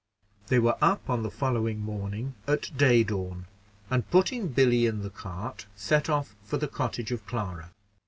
They were up on the following morning at day dawn, and, putting Billy in the cart, set off for the cottage of Clara.